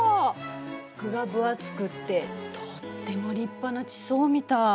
具が分厚くってとっても立派な地層みたい。